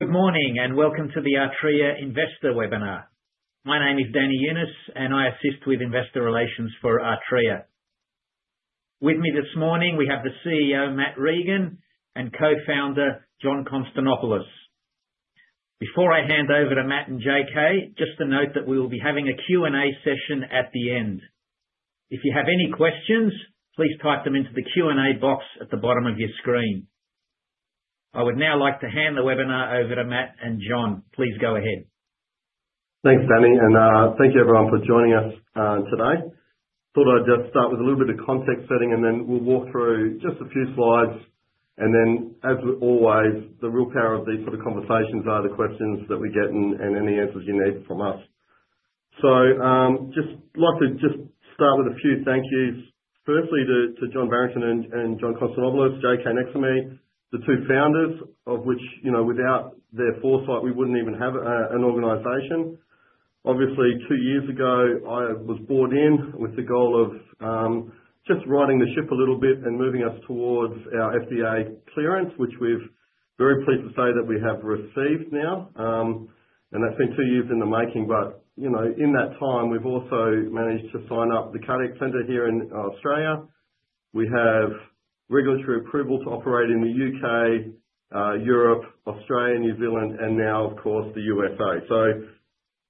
Good morning and welcome to the Artrya Investor webinar. My name is Danny Younis, and I assist with investor relations for Artrya. With me this morning, we have the CEO, Mat Regan, and co-founder, John Konstantopoulos. Before I hand over to Mat and JK, just to note that we will be having a Q&A session at the end. If you have any questions, please type them into the Q&A box at the bottom of your screen. I would now like to hand the webinar over to Mat and John. Please go ahead. Thanks, Danny, and thank you, everyone, for joining us today. Thought I'd just start with a little bit of context setting, and then we'll walk through just a few slides. And then, as always, the real power of these sort of conversations are the questions that we get and any answers you need from us. So just like to just start with a few thank yous, firstly, to John Barrington and John Konstantopoulos, JK, namely, the two founders of which, you know, without their foresight, we wouldn't even have an organization. Obviously, two years ago, I was brought in with the goal of just righting the ship a little bit and moving us towards our FDA clearance, which we're very pleased to say that we have received now. And that's been two years in the making. But, you know, in that time, we've also managed to sign up The Cardiac Centre here in Australia. We have regulatory approval to operate in the U.K., Europe, Australia, New Zealand, and now, of course, the USA. So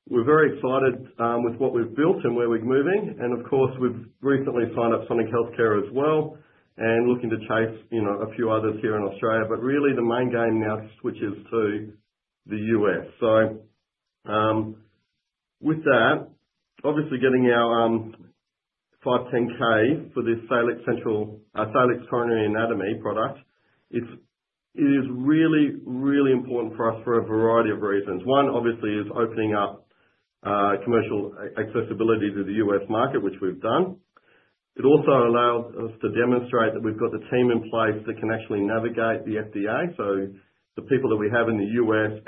we're very excited with what we've built and where we're moving. And, of course, we've recently signed up Sonic Healthcare as well and looking to chase, you know, a few others here in Australia. But really, the main game now switches to the U.S. So with that, obviously getting our 510(k) for this Salix Coronary Anatomy product, it is really, really important for us for a variety of reasons. One, obviously, is opening up commercial accessibility to the U.S. market, which we've done. It also allows us to demonstrate that we've got the team in place that can actually navigate the FDA, so the people that we have in the U.S.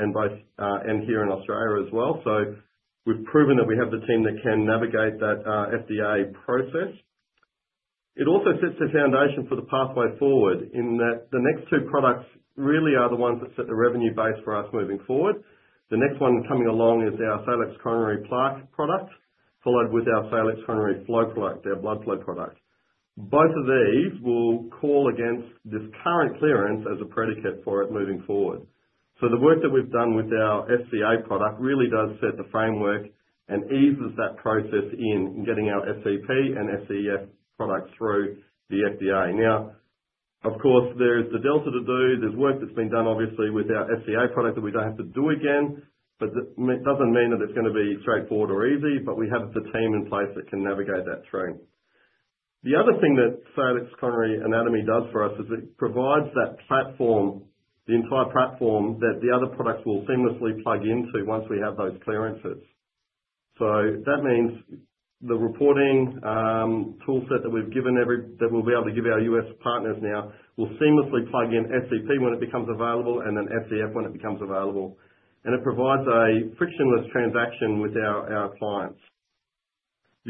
and here in Australia as well, so we've proven that we have the team that can navigate that FDA process. It also sets the foundation for the pathway forward in that the next two products really are the ones that set the revenue base for us moving forward. The next one coming along is our Salix Coronary Plaque product, followed with our Salix Coronary Flow product, our blood flow product. Both of these will call against this current clearance as a predicate for it moving forward, so the work that we've done with our FDA product really does set the framework and eases that process in getting our SCP and SCF products through the FDA. Now, of course, there's the delta to do. There's work that's been done, obviously, with our FDA product that we don't have to do again. But it doesn't mean that it's going to be straightforward or easy, but we have the team in place that can navigate that through. The other thing that Salix Coronary Anatomy does for us is it provides that platform, the entire platform that the other products will seamlessly plug into once we have those clearances. So that means the reporting toolset that we've given that we'll be able to give our U.S. partners now will seamlessly plug in SCP when it becomes available and then SCF when it becomes available. And it provides a frictionless transaction with our clients.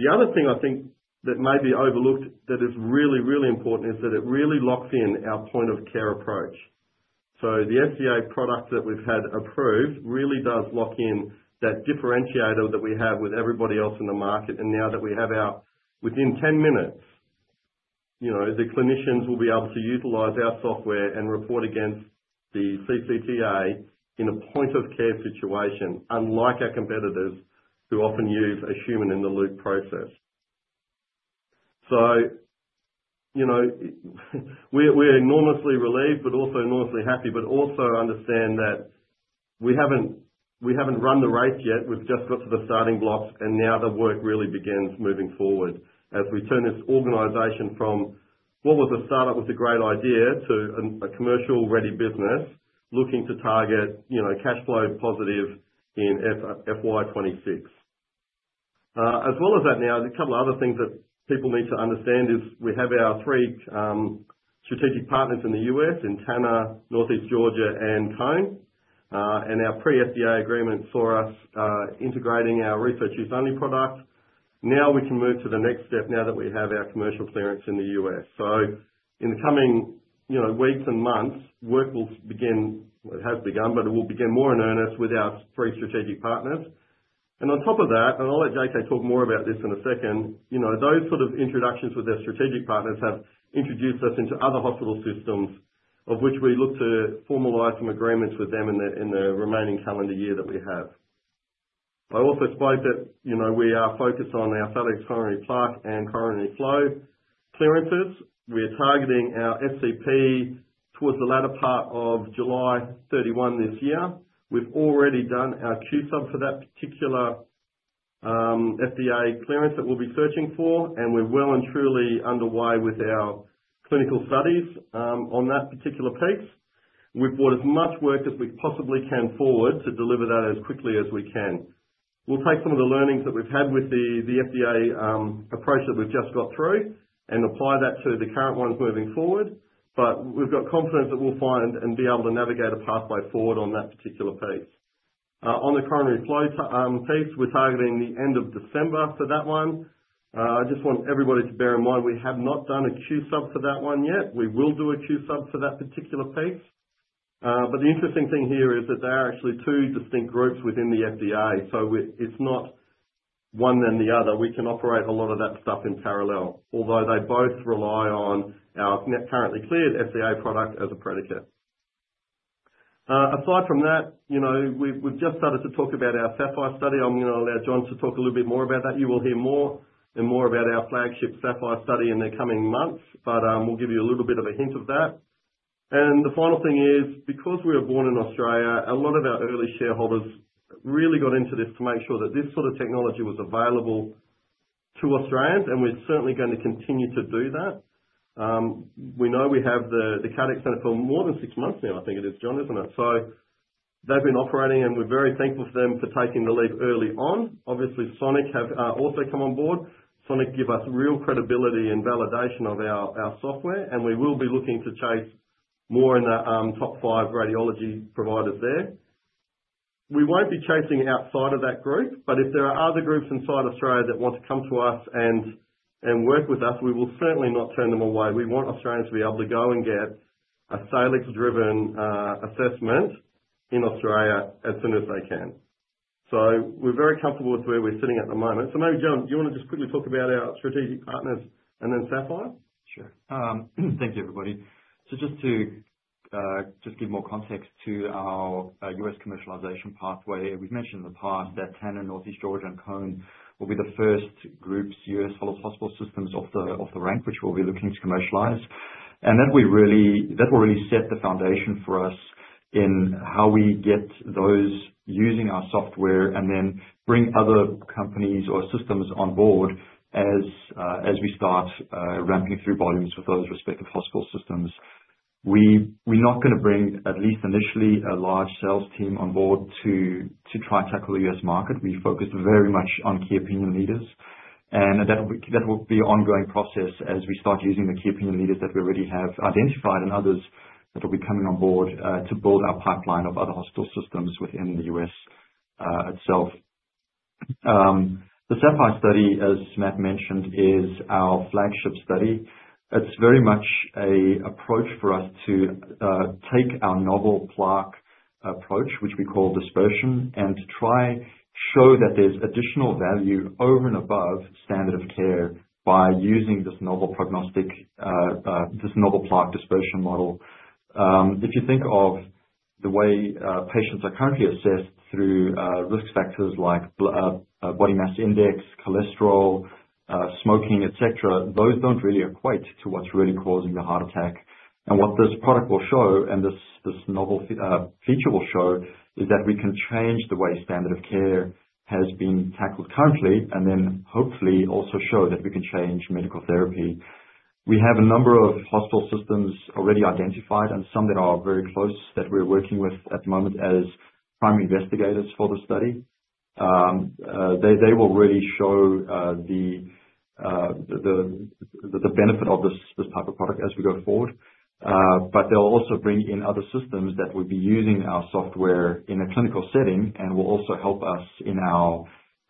The other thing I think that may be overlooked that is really, really important is that it really locks in our point of care approach. So the FDA product that we've had approved really does lock in that differentiator that we have with everybody else in the market. And now that we have ours within 10 minutes, you know, the clinicians will be able to utilize our software and report against the CCTA in a point of care situation, unlike our competitors who often use a human-in-the-loop process. So, you know, we're enormously relieved, but also enormously happy, but also understand that we haven't run the race yet. We've just got to the starting blocks, and now the work really begins moving forward as we turn this organization from what was a startup with a great idea to a commercial-ready business looking to target, you know, cash flow positive in FY26. As well as that, now, a couple of other things that people need to understand is we have our three strategic partners in the U.S.: Tanner, Northeast Georgia, and Cone, and our pre-FDA agreement saw us integrating our research-use-only product. Now we can move to the next step now that we have our commercial clearance in the U.S., so in the coming, you know, weeks and months, work will begin, well, it has begun, but it will begin more in earnest with our three strategic partners, and on top of that, and I'll let JK talk more about this in a second, you know, those sort of introductions with their strategic partners have introduced us into other hospital systems, of which we look to formalize some agreements with them in the remaining calendar year that we have. I also spoke that, you know, we are focused on our Salix Coronary Plaque and coronary flow clearances. We're targeting our SCP towards the latter part of July 31 this year. We've already done our Q-Sub for that particular FDA clearance that we'll be searching for, and we're well and truly underway with our clinical studies on that particular piece. We've brought as much work as we possibly can forward to deliver that as quickly as we can. We'll take some of the learnings that we've had with the FDA approach that we've just got through and apply that to the current ones moving forward. But we've got confidence that we'll find and be able to navigate a pathway forward on that particular piece. On the coronary flow piece, we're targeting the end of December for that one. I just want everybody to bear in mind we have not done a Q-Sub for that one yet. We will do a Q-Sub for that particular piece. But the interesting thing here is that there are actually two distinct groups within the FDA. So it's not one then the other. We can operate a lot of that stuff in parallel, although they both rely on our currently cleared FDA product as a predicate. Aside from that, you know, we've just started to talk about our SAPPHIRE study. I'm going to allow John to talk a little bit more about that. You will hear more and more about our flagship SAPPHIRE study in the coming months, but we'll give you a little bit of a hint of that. The final thing is, because we were born in Australia, a lot of our early shareholders really got into this to make sure that this sort of technology was available to Australians, and we're certainly going to continue to do that. We know we have the Cardiac Centre for more than six months now. I think it is, John, isn't it? So they've been operating, and we're very thankful for them for taking the lead early on. Obviously, Sonic have also come on board. Sonic give us real credibility and validation of our software, and we will be looking to chase more in the top five radiology providers there. We won't be chasing outside of that group, but if there are other groups inside Australia that want to come to us and work with us, we will certainly not turn them away. We want Australians to be able to go and get a Salix-driven assessment in Australia as soon as they can, so we're very comfortable with where we're sitting at the moment, so maybe, John, do you want to just quickly talk about our strategic partners and then SAPPHIRE? Sure. Thank you, everybody. So just to give more context to our U.S. commercialization pathway, we've mentioned in the past that Tanner, Northeast Georgia, and Cone will be the first groups, U.S. follow-up hospital systems off the rank, which we'll be looking to commercialize and that will really set the foundation for us in how we get those using our software and then bring other companies or systems on board as we start ramping through volumes with those respective hospital systems. We're not going to bring, at least initially, a large sales team on board to try and tackle the U.S. market. We focus very much on key opinion leaders. That will be an ongoing process as we start using the key opinion leaders that we already have identified and others that will be coming on board to build our pipeline of other hospital systems within the U.S. itself. The SAPPHIRE study, as Mat mentioned, is our flagship study. It's very much an approach for us to take our novel plaque approach, which we call dispersion, and to try to show that there's additional value over and above standard of care by using this novel prognostic, this novel plaque dispersion model. If you think of the way patients are currently assessed through risk factors like body mass index, cholesterol, smoking, etc., those don't really equate to what's really causing the heart attack. What this product will show, and this novel feature will show, is that we can change the way standard of care has been tackled currently and then hopefully also show that we can change medical therapy. We have a number of hospital systems already identified and some that are very close that we're working with at the moment as primary investigators for the study. They will really show the benefit of this type of product as we go forward. They'll also bring in other systems that will be using our software in a clinical setting and will also help us in our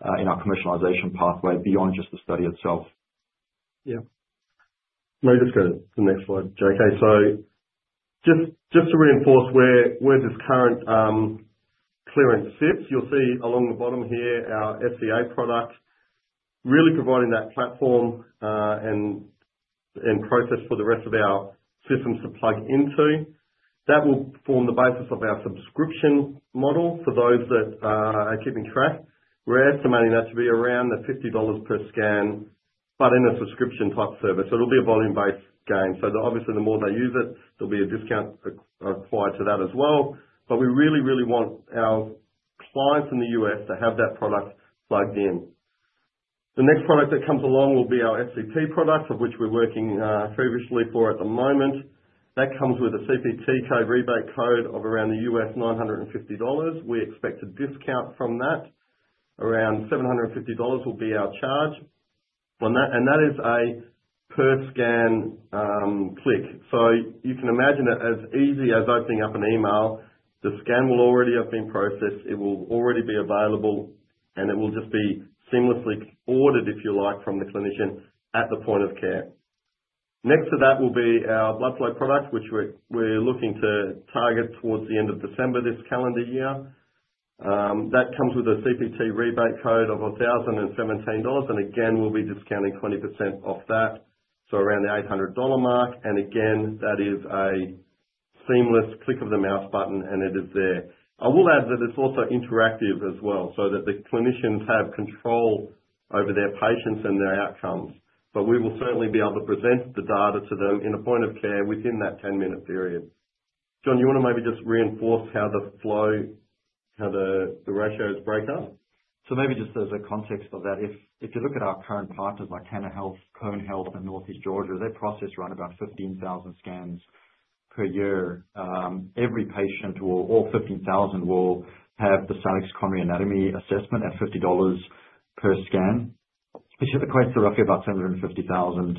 commercialization pathway beyond just the study itself. Yeah. Maybe just go to the next slide, JK. So just to reinforce where this current clearance sits, you'll see along the bottom here our SCA product really providing that platform and process for the rest of our systems to plug into. That will form the basis of our subscription model for those that are keeping track. We're estimating that to be around the $50 per scan, but in a subscription type service. So it'll be a volume-based gain. So obviously, the more they use it, there'll be a discount required to that as well. But we really, really want our clients in the US to have that product plugged in. The next product that comes along will be our SCP product, of which we're working feverishly for at the moment. That comes with a CPT code rebate code of around the $950. We expect a discount from that. Around $750 will be our charge, and that is a per scan click, so you can imagine it as easy as opening up an email. The scan will already have been processed. It will already be available, and it will just be seamlessly ordered, if you like, from the clinician at the point of care. Next to that will be our blood flow product, which we're looking to target towards the end of December this calendar year. That comes with a CPT rebate code of $1,017, and again, we'll be discounting 20% off that, so around the $800 mark, and again, that is a seamless click of the mouse button, and it is there. I will add that it's also interactive as well, so that the clinicians have control over their patients and their outcomes. But we will certainly be able to present the data to them in a point of care within that 10-minute period. John, do you want to maybe just reinforce how the flow, how the ratios break up? So maybe just as a context of that, if you look at our current partners like Tanner Health, Cone Health, and Northeast Georgia, they process around about 15,000 scans per year. Every patient will, all 15,000 will have the Salix Coronary Anatomy assessment at $50 per scan, which equates to roughly about $750,000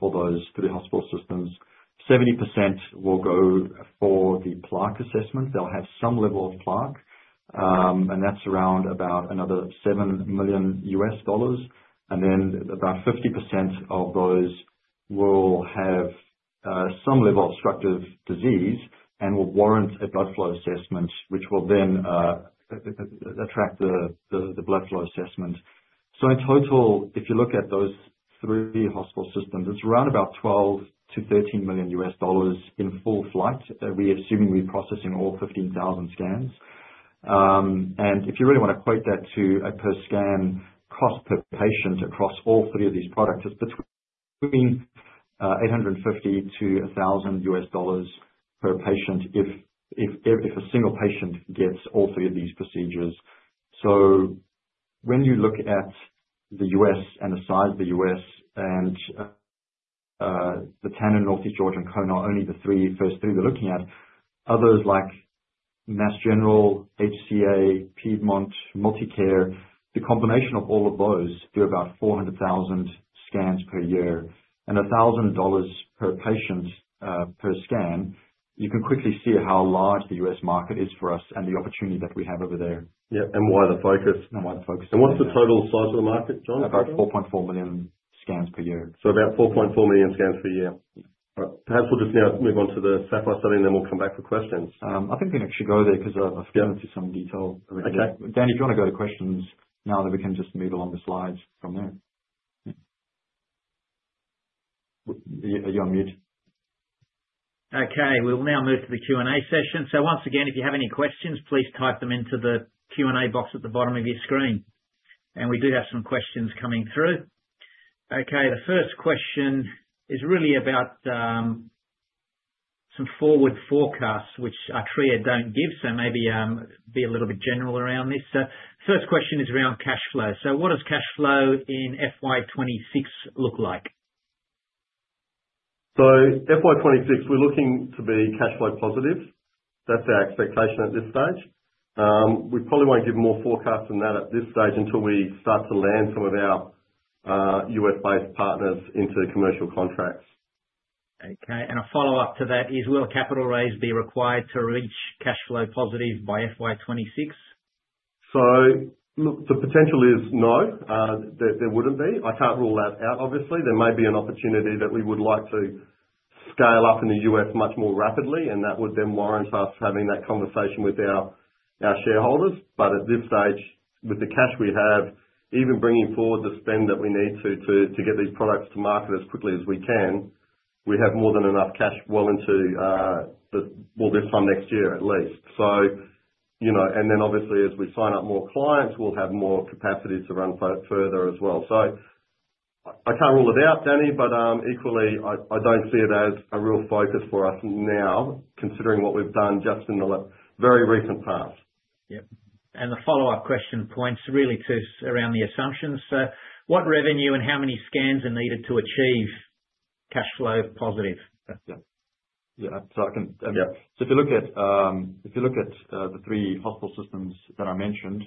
for those three hospital systems. 70% will go for the plaque assessment. They'll have some level of plaque, and that's around about another $7 million. And then about 50% of those will have some level of obstructive disease and will warrant a blood flow assessment, which will then attract the blood flow assessment. So in total, if you look at those three hospital systems, it's around about $12-$13 million in full flight, assuming we're processing all 15,000 scans. If you really want to equate that to a per scan cost per patient across all three of these products, it's between $850-$1,000 U.S. dollars per patient if a single patient gets all three of these procedures. When you look at the U.S. and the size of the U.S. and Tanner, Northeast Georgia, and Cone are only the first three we're looking at, others like Mass General, HCA, Piedmont, MultiCare, the combination of all of those do about 400,000 scans per year. $1,000 per patient per scan, you can quickly see how large the U.S. market is for us and the opportunity that we have over there. Yeah, and why the focus? Why the focus? What's the total size of the market, John? About 4.4 million scans per year. About 4.4 million scans per year. Perhaps we'll just now move on to the SAPPHIRE study, and then we'll come back for questions. I think we can actually go there because I've gone into some detail already. Okay. Dan, if you want to go to questions now, then we can just move along the slides from there. Are you on mute? Okay. We'll now move to the Q&A session. So once again, if you have any questions, please type them into the Q&A box at the bottom of your screen. And we do have some questions coming through. Okay. The first question is really about some forward forecasts, which I'm sure you don't give, so maybe be a little bit general around this. So the first question is around cash flow. So what does cash flow in FY26 look like? FY26, we're looking to be cash flow positive. That's our expectation at this stage. We probably won't give more forecasts than that at this stage until we start to land some of our US-based partners into commercial contracts. Okay, and a follow-up to that is, will capital raise be required to reach cash flow positive by FY26? So look, the potential is no. There wouldn't be. I can't rule that out, obviously. There may be an opportunity that we would like to scale up in the U.S. much more rapidly, and that would then warrant us having that conversation with our shareholders. But at this stage, with the cash we have, even bringing forward the spend that we need to get these products to market as quickly as we can, we have more than enough cash well into this time next year at least. So, you know, and then obviously, as we sign up more clients, we'll have more capacity to run further as well. So I can't rule it out, Danny, but equally, I don't see it as a real focus for us now, considering what we've done just in the very recent past. Yeah. And the follow-up question points really to around the assumptions. So what revenue and how many scans are needed to achieve cash flow positive? Yeah. Yeah. So if you look at the three hospital systems that I mentioned,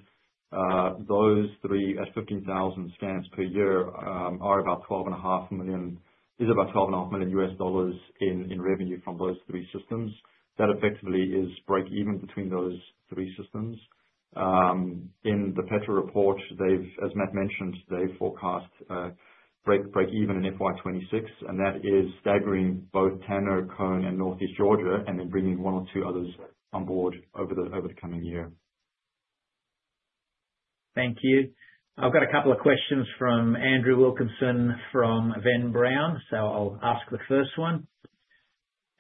those three at 15,000 scans per year are about $12.5 million in revenue from those three systems. That effectively is break-even between those three systems. In the Petra report, as Mat mentioned, they forecast break-even in FY26, and that is staggering both Tanner, Cone, and Northeast Georgia, and then bringing one or two others on board over the coming year. Thank you. I've got a couple of questions from Andrew Wilkinson from Venn Brown. So I'll ask the first one.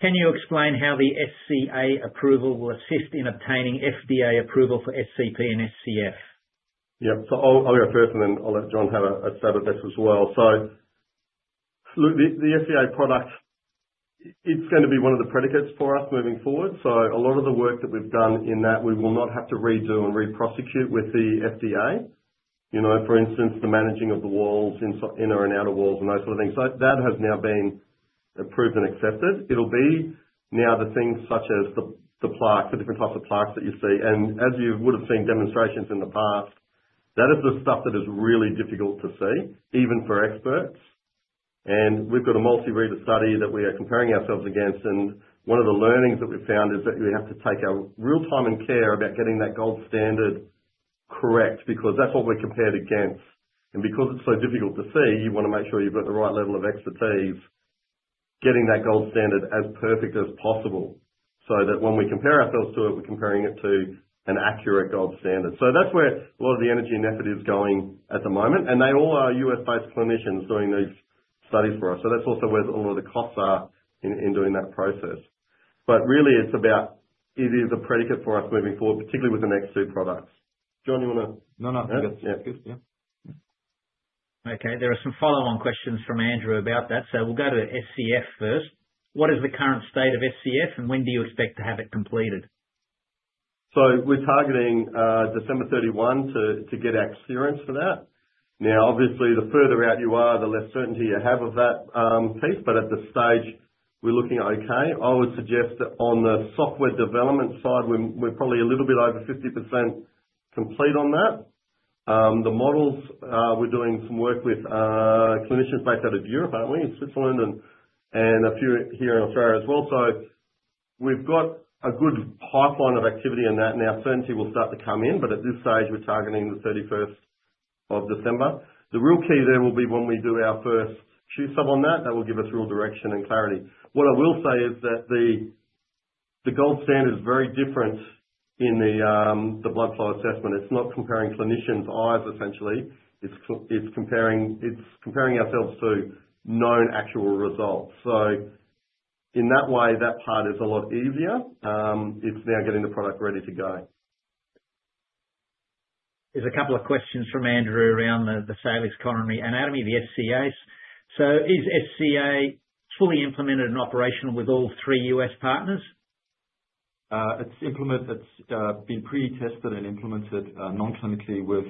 Can you explain how the SCA approval will assist in obtaining FDA approval for SCP and SCF? Yeah. So I'll go first, and then I'll let John have a stab at this as well. So look, the SCA product, it's going to be one of the predicates for us moving forward. So a lot of the work that we've done in that, we will not have to redo and reprosecute with the FDA. You know, for instance, the managing of the walls, inner and outer walls, and those sort of things. So that has now been approved and accepted. It'll be now the things such as the plaque, the different types of plaques that you see. And as you would have seen demonstrations in the past, that is the stuff that is really difficult to see, even for experts. And we've got a multi-reader study that we are comparing ourselves against. And one of the learnings that we found is that we have to take our time and care about getting that gold standard correct because that's what we're compared against. And because it's so difficult to see, you want to make sure you've got the right level of expertise getting that gold standard as perfect as possible so that when we compare ourselves to it, we're comparing it to an accurate gold standard. So that's where a lot of the energy and effort is going at the moment. And they all are U.S.-based clinicians doing these studies for us. So that's also where a lot of the costs are in doing that process. But really, it's about it is a predicate for us moving forward, particularly with the next two products. John, do you want to? No, no. That's good. Yeah. Okay. There are some follow-on questions from Andrew about that, so we'll go to SCF first. What is the current state of SCF, and when do you expect to have it completed? So we're targeting December 31 to get accurate for that. Now, obviously, the further out you are, the less certainty you have of that piece. But at this stage, we're looking okay. I would suggest that on the software development side, we're probably a little bit over 50% complete on that. The models we're doing some work with are clinicians based out of Europe, aren't we? Switzerland and a few here in Australia as well. So we've got a good pipeline of activity in that. Now, certainty will start to come in, but at this stage, we're targeting the 31st of December. The real key there will be when we do our first QSUB on that. That will give us real direction and clarity. What I will say is that the gold standard is very different in the blood flow assessment. It's not comparing clinicians' eyes, essentially. It's comparing ourselves to known actual results. So in that way, that part is a lot easier. It's now getting the product ready to go. There's a couple of questions from Andrew around the Salix Coronary Anatomy, the SCAs. So is SCA fully implemented and operational with all three U.S. partners? It's implemented. It's been pre-tested and implemented non-clinically with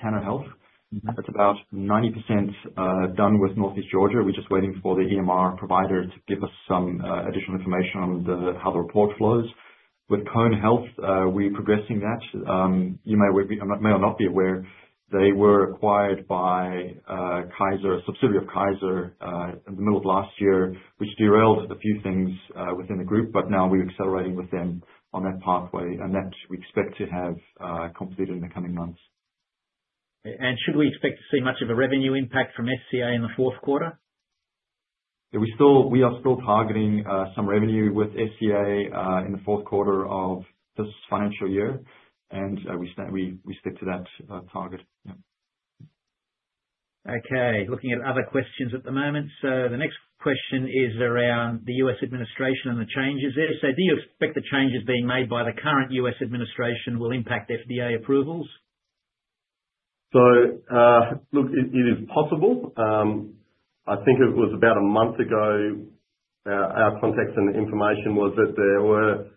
Tanner Health. It's about 90% done with Northeast Georgia. We're just waiting for the EMR provider to give us some additional information on how the report flows. With Cone Health, we're progressing that. You may or may not be aware, they were acquired by Risant, a subsidiary of Kaiser, in the middle of last year, which derailed a few things within the group, but now we're accelerating with them on that pathway, and that we expect to have completed in the coming months. Should we expect to see much of a revenue impact from SCA in the fourth quarter? Yeah. We are still targeting some revenue with SCA in the fourth quarter of this financial year, and we stick to that target. Yeah. Okay. Looking at other questions at the moment. So the next question is around the U.S. administration and the changes there. So do you expect the changes being made by the current U.S. administration will impact FDA approvals? So look, it is possible. I think it was about a month ago. Our context and information was that there were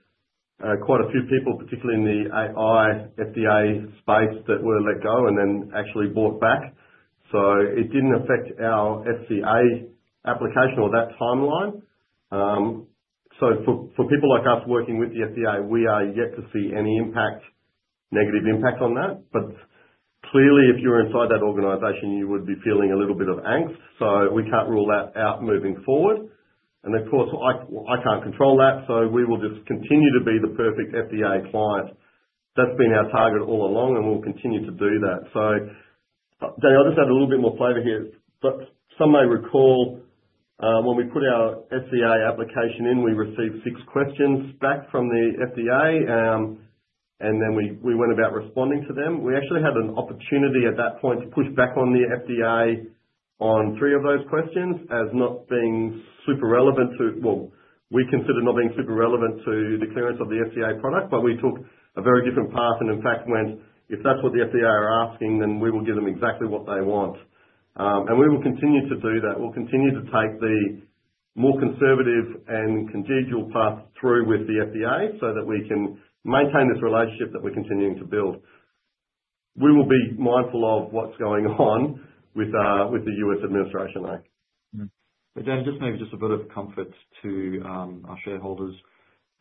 quite a few people, particularly in the AI FDA space, that were let go and then actually brought back. So it didn't affect our FDA application or that timeline. So for people like us working with the FDA, we are yet to see any impact, negative impact on that. But clearly, if you're inside that organization, you would be feeling a little bit of angst. So we can't rule that out moving forward. And of course, I can't control that. So we will just continue to be the perfect FDA client. That's been our target all along, and we'll continue to do that. So Danny, I'll just add a little bit more flavor here. But some may recall when we put our FDA application in, we received six questions back from the FDA, and then we went about responding to them. We actually had an opportunity at that point to push back on the FDA on three of those questions as not being super relevant to, well, we consider not being super relevant to the clearance of the FDA product, but we took a very different path and in fact went, "If that's what the FDA are asking, then we will give them exactly what they want." And we will continue to do that. We'll continue to take the more conservative and congenial path through with the FDA so that we can maintain this relationship that we're continuing to build. We will be mindful of what's going on with the U.S. administration, I think. Danny, just maybe a bit of comfort to our shareholders.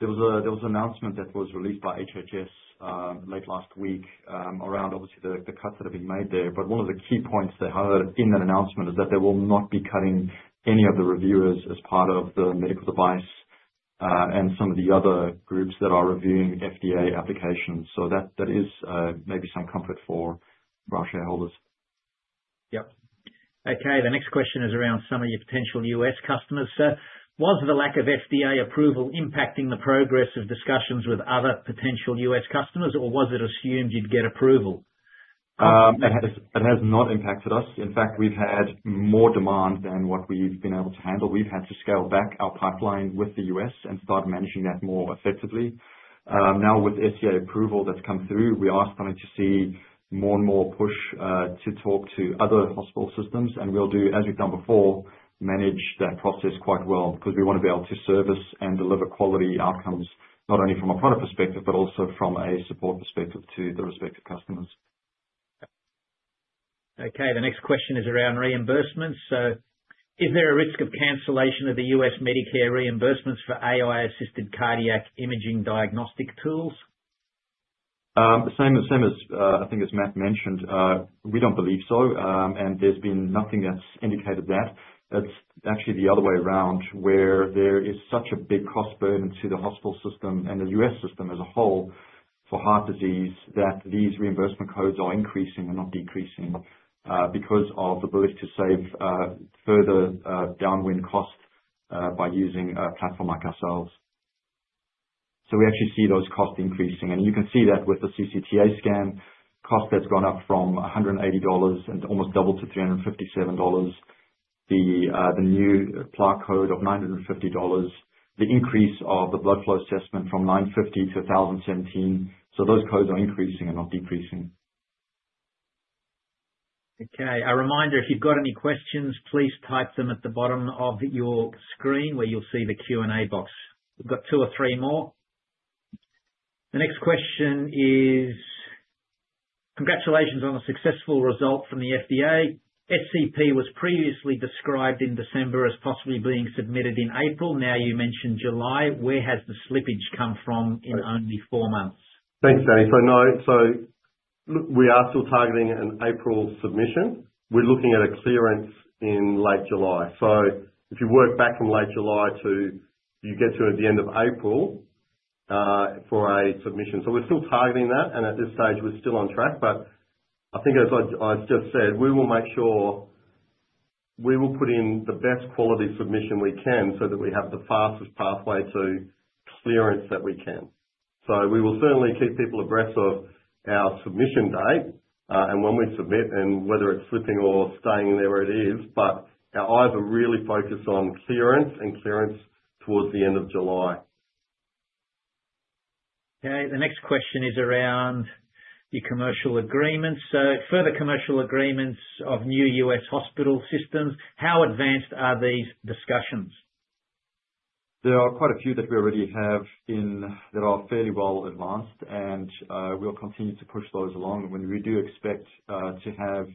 There was an announcement that was released by HHS late last week around, obviously, the cuts that have been made there. But one of the key points they heard in that announcement is that they will not be cutting any of the reviewers as part of the medical device and some of the other groups that are reviewing FDA applications. So that is maybe some comfort for our shareholders. Yep. Okay. The next question is around some of your potential U.S. customers. So was the lack of FDA approval impacting the progress of discussions with other potential U.S. customers, or was it assumed you'd get approval? It has not impacted us. In fact, we've had more demand than what we've been able to handle. We've had to scale back our pipeline with the US and start managing that more effectively. Now, with SCA approval that's come through, we are starting to see more and more push to talk to other hospital systems and will do, as we've done before, manage that process quite well because we want to be able to service and deliver quality outcomes, not only from a product perspective, but also from a support perspective to the respective customers. Okay. The next question is around reimbursements. So is there a risk of cancellation of the U.S. Medicare reimbursements for AI-assisted cardiac imaging diagnostic tools? Same as I think as Mat mentioned, we don't believe so, and there's been nothing that's indicated that. It's actually the other way around, where there is such a big cost burden to the hospital system and the U.S. system as a whole for heart disease that these reimbursement codes are increasing and not decreasing because of the belief to save further downwind cost by using a platform like ourselves, so we actually see those costs increasing, and you can see that with the CCTA scan cost that's gone up from $180 and almost doubled to $357, the new plaque code of $950, the increase of the blood flow assessment from $950 to $1,017, so those codes are increasing and not decreasing. Okay. A reminder, if you've got any questions, please type them at the bottom of your screen where you'll see the Q&A box. We've got two or three more. The next question is, "Congratulations on a successful result from the FDA. SCP was previously described in December as possibly being submitted in April. Now you mentioned July. Where has the slippage come from in only four months? Thanks, Danny. So no, so look, we are still targeting an April submission. We're looking at a clearance in late July. So if you work back from late July, you get to the end of April for a submission. So we're still targeting that. And at this stage, we're still on track. But I think, as I just said, we will make sure we will put in the best quality submission we can so that we have the fastest pathway to clearance that we can. So we will certainly keep people abreast of our submission date and when we submit and whether it's slipping or staying there where it is. But our eyes are really focused on clearance and clearance towards the end of July. Okay. The next question is around your commercial agreements. So further commercial agreements of new U.S. hospital systems. How advanced are these discussions? There are quite a few that we already have that are fairly well advanced, and we'll continue to push those along. And we do expect to have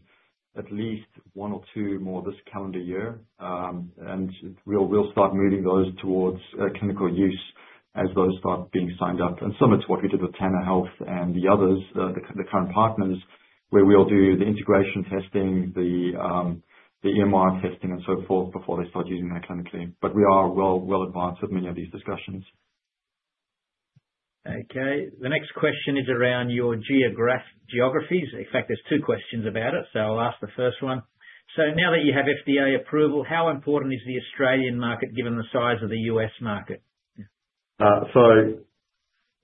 at least one or two more this calendar year. And we'll start moving those towards clinical use as those start being signed up. And some of it's what we did with Tanner Health and the others, the current partners, where we'll do the integration testing, the EMR testing, and so forth before they start using that clinically. But we are well advanced with many of these discussions. Okay. The next question is around your geographies. In fact, there's two questions about it, so I'll ask the first one. So now that you have FDA approval, how important is the Australian market given the size of the US market? So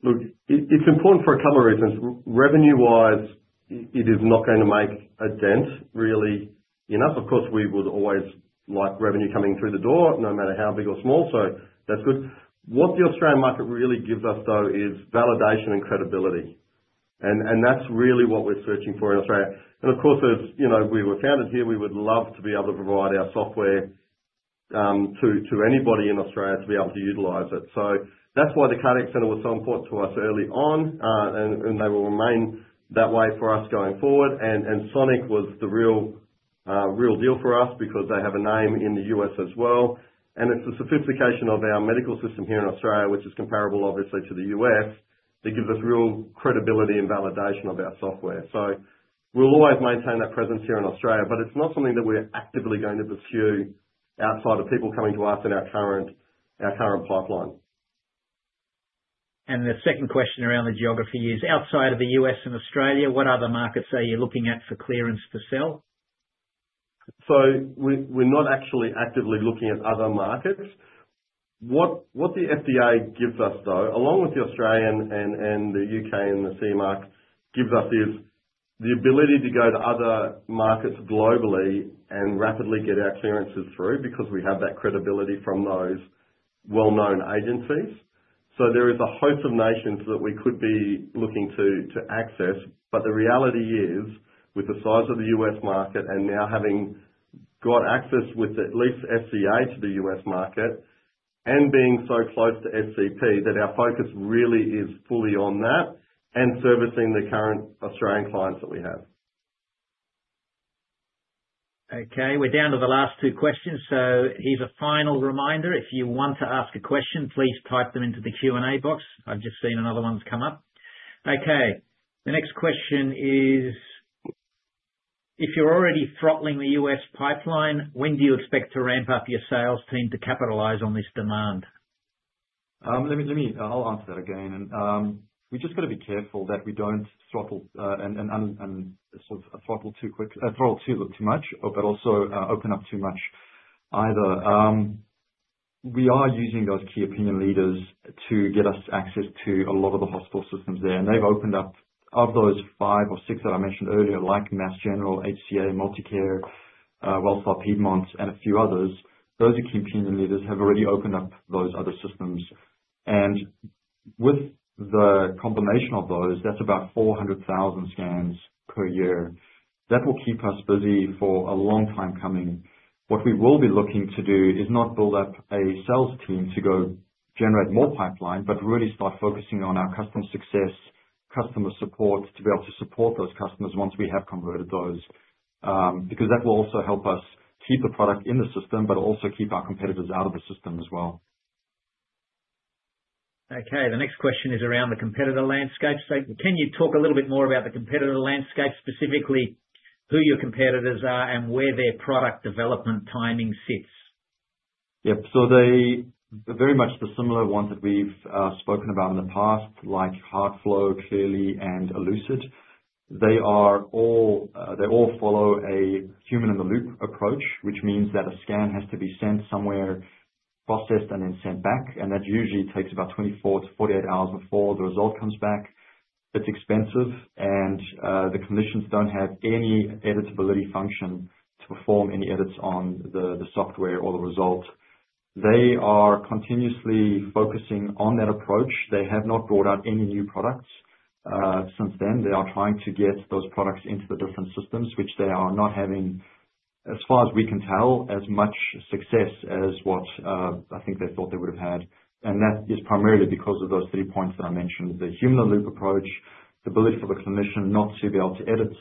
look, it's important for a couple of reasons. Revenue-wise, it is not going to make a dent really enough. Of course, we would always like revenue coming through the door, no Mater how big or small. So that's good. What the Australian market really gives us, though, is validation and credibility. And that's really what we're searching for in Australia. And of course, as we were founded here, we would love to be able to provide our software to anybody in Australia to be able to utilize it. So that's why The Cardiac Centre was so important to us early on, and they will remain that way for us going forward. And Sonic was the real deal for us because they have a name in the US as well. And it's the sophistication of our medical system here in Australia, which is comparable, obviously, to the U.S., that gives us real credibility and validation of our software. So we'll always maintain that presence here in Australia, but it's not something that we're actively going to pursue outside of people coming to us in our current pipeline. The second question around the geography is, outside of the U.S. and Australia, what other markets are you looking at for clearance to sell? So we're not actually actively looking at other markets. What the FDA gives us, though, along with the Australian and the U.K. and the CE mark, gives us is the ability to go to other markets globally and rapidly get our clearances through because we have that credibility from those well-known agencies. So there is a host of nations that we could be looking to access. But the reality is, with the size of the U.S. market and now having got access with at least SCA to the U.S. market and being so close to SCP, that our focus really is fully on that and servicing the current Australian clients that we have. Okay. We're down to the last two questions. So here's a final reminder. If you want to ask a question, please type them into the Q&A box. I've just seen another one's come up. Okay. The next question is, "If you're already throttling the US pipeline, when do you expect to ramp up your sales team to capitalize on this demand? I'll answer that again, and we just got to be careful that we don't throttle and sort of throttle too quick, throttle too much, but also open up too much either. We are using those key opinion leaders to get us access to a lot of the hospital systems there, and they've opened up of those five or six that I mentioned earlier, like Mass General, HCA, MultiCare, Wellstar, Piedmont, and a few others. Those key opinion leaders have already opened up those other systems, and with the combination of those, that's about 400,000 scans per year. That will keep us busy for a long time coming. What we will be looking to do is not build up a sales team to go generate more pipeline, but really start focusing on our customer success, customer support to be able to support those customers once we have converted those, because that will also help us keep the product in the system, but also keep our competitors out of the system as well. Okay. The next question is around the competitor landscape. So can you talk a little bit more about the competitor landscape, specifically who your competitors are and where their product development timing sits? Yep. So they're very much the similar ones that we've spoken about in the past, like HeartFlow, Cleerly, and Elucid. They all follow a human-in-the-loop approach, which means that a scan has to be sent somewhere, processed, and then sent back. And that usually takes about 24-48 hours before the result comes back. It's expensive, and the clinicians don't have any editability function to perform any edits on the software or the result. They are continuously focusing on that approach. They have not brought out any new products since then. They are trying to get those products into the different systems, which they are not having, as far as we can tell, as much success as what I think they would have had. That is primarily because of those three points that I mentioned: the human-in-the-loop approach, the ability for the clinician not to be able to edit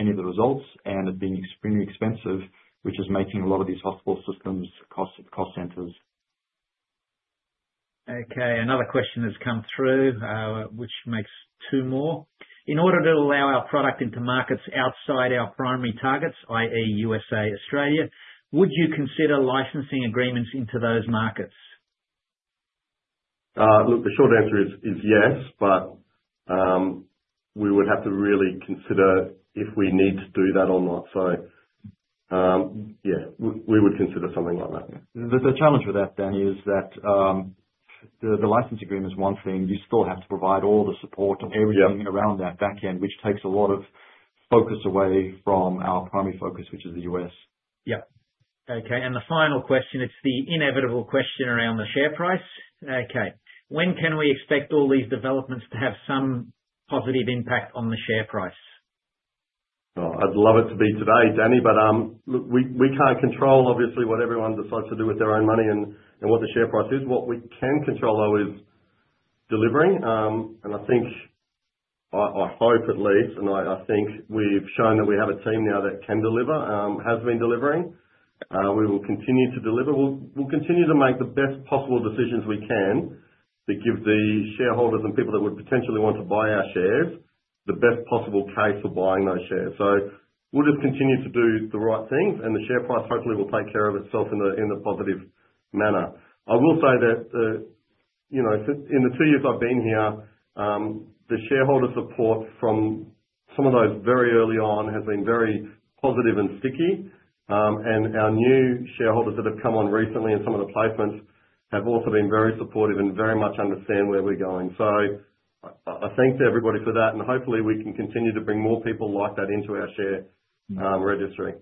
any of the results, and it being extremely expensive, which is making a lot of these hospital systems cost centers. Okay. Another question has come through, which makes two more. "In order to allow our product into markets outside our primary targets, i.e., USA, Australia, would you consider licensing agreements into those markets? Look, the short answer is yes, but we would have to really consider if we need to do that or not. So yeah, we would consider something like that. The challenge with that, Danny, is that the license agreement's one thing. You still have to provide all the support and everything around that backend, which takes a lot of focus away from our primary focus, which is the U.S. Yep. Okay, and the final question, it's the inevitable question around the share price. Okay. When can we expect all these developments to have some positive impact on the share price? I'd love it to be today, Danny. But look, we can't control, obviously, what everyone decides to do with their own money and what the share price is. What we can control, though, is delivering. And I think, I hope at least, and I think we've shown that we have a team now that can deliver, has been delivering. We will continue to deliver. We'll continue to make the best possible decisions we can to give the shareholders and people that would potentially want to buy our shares the best possible case for buying those shares. So we'll just continue to do the right things, and the share price hopefully will take care of itself in a positive manner. I will say that in the two years I've been here, the shareholder support from some of those very early on has been very positive and sticky. And our new shareholders that have come on recently and some of the placements have also been very supportive and very much understand where we're going. So I thank everybody for that. And hopefully, we can continue to bring more people like that into our share registry.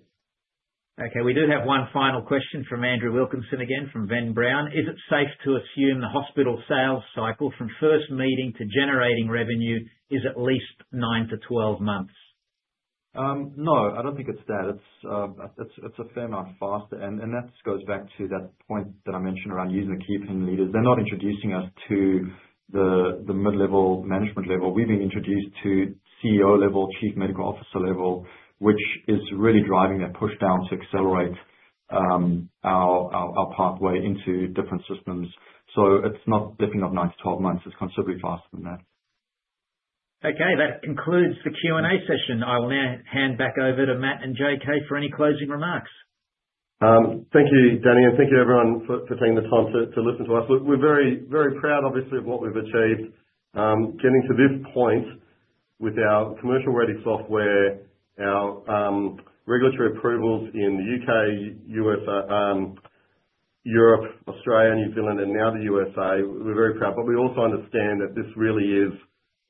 Okay. We do have one final question from Andrew Wilkinson again from Veritas Securities. "Is it safe to assume the hospital sales cycle from first meeting to generating revenue is at least nine-12 months? No, I don't think it's that. It's a fair amount faster. And that goes back to that point that I mentioned around using the key opinion leaders. They're not introducing us to the mid-level management level. We've been introduced to CEO level, Chief Medical Officer level, which is really driving that push down to accelerate our pathway into different systems. So it's definitely not nine to 12 months. It's considerably faster than that. Okay. That concludes the Q&A session. I will now hand back over to Mat and JK for any closing remarks. Thank you, Danny. And thank you, everyone, for taking the time to listen to us. Look, we're very proud, obviously, of what we've achieved. Getting to this point with our commercial-ready software, our regulatory approvals in the UK, Europe, Australia, New Zealand, and now the USA, we're very proud. But we also understand that this really is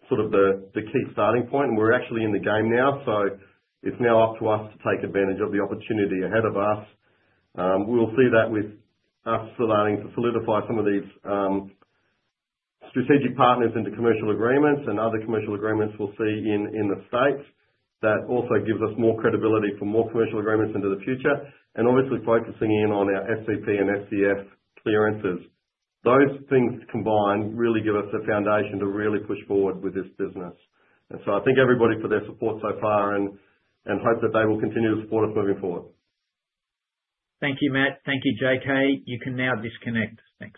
sort of the key starting point, and we're actually in the game now. So it's now up to us to take advantage of the opportunity ahead of us. We'll see that with us starting to solidify some of these strategic partners into commercial agreements and other commercial agreements we'll see in the states. That also gives us more credibility for more commercial agreements into the future. And obviously, focusing in on our SCP and SCF clearances. Those things combined really give us a foundation to really push forward with this business. I thank everybody for their support so far and hope that they will continue to support us moving forward. Thank you, Mat. Thank you, JK. You can now disconnect. Thank you.